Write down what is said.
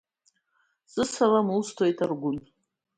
Сысалам усҭоит Аргәын!